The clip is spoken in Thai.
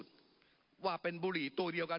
ปรับไปเท่าไหร่ทราบไหมครับ